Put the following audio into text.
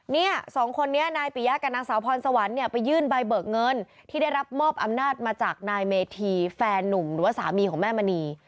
เนี่ยสองคนนี้นายปิยะกับนางสาวพรสวรรค์เนี่ยไปยื่นใบเบิกเงินที่ได้รับมอบอำนาจมาจากนายเมธีแฟนนุ่มหรือว่าสามีของแม่มณี